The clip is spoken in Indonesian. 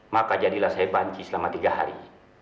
maka jadilah saya banci selama tiga hari